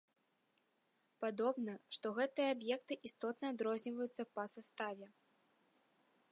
Падобна, што гэтыя аб'екты істотна адрозніваюцца па саставе.